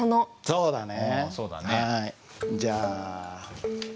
そうだね。